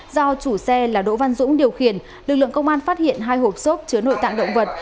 do chủ xe là đỗ văn dũng điều khiển lực lượng công an phát hiện hai hộp số chứa nội tạng động vật